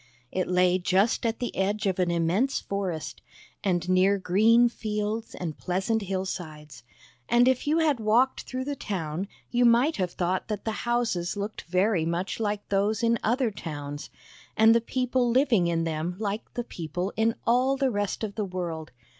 It lay just at the edge of an immense forest, and near green fields and pleasant hillsides; and if you had walked through the town you might have thought that the houses looked very much like those in other towns, and the people living in them like the people in all the rest of the world.